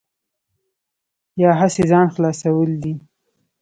یا هسې ځان خلاصول دي.